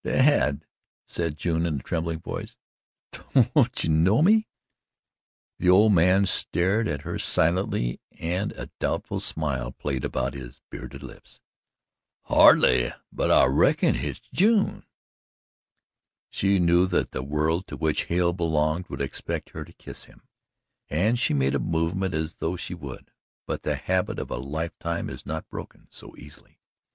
"Dad," said June in a trembling voice, "don't you know me?" The old man stared at her silently and a doubtful smile played about his bearded lips. "Hardly, but I reckon hit's June." She knew that the world to which Hale belonged would expect her to kiss him, and she made a movement as though she would, but the habit of a lifetime is not broken so easily.